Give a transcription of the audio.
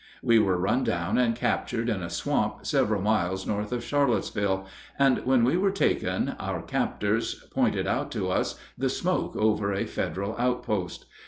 We were run down and captured in a swamp several miles north of Charlottesville, and when we were taken our captors pointed out to us the smoke over a Federal outpost.